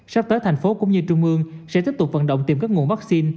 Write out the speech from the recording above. sắp tới thành phố cũng như trung ương sẽ tiếp tục vận động tìm các nguồn vaccine